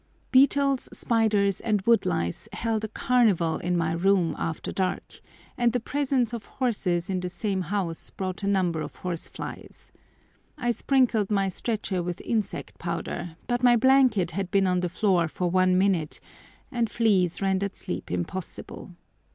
Beetles, spiders, and wood lice held a carnival in my room after dark, and the presence of horses in the same house brought a number of horseflies. I sprinkled my stretcher with insect powder, but my blanket had been on the floor for one minute, and fleas rendered sleep impossible.